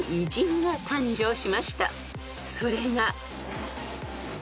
［それが］